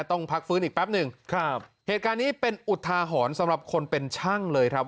ต้องพักฟื้นอีกแป๊บหนึ่งครับเหตุการณ์นี้เป็นอุทาหรณ์สำหรับคนเป็นช่างเลยครับ